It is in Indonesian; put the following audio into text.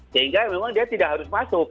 sehingga memang dia tidak harus masuk